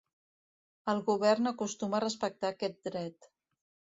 El govern acostuma a respectar aquest dret.